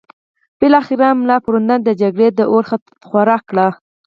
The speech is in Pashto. بالاخره ملا پوونده د جګړې د اور خوراک کړ.